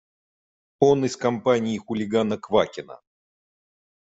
Он из компании хулигана Квакина.